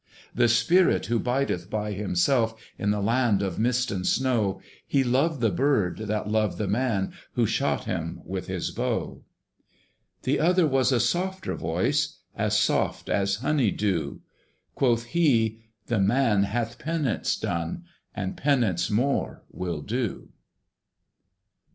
"The spirit who bideth by himself In the land of mist and snow, He loved the bird that loved the man Who shot him with his bow." The other was a softer voice, As soft as honey dew: Quoth he, "The man hath penance done, And penance more will do."